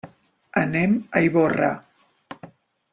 Anem a Ivorra.